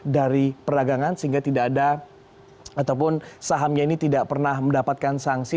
dari perdagangan sehingga tidak ada ataupun sahamnya ini tidak pernah mendapatkan sanksi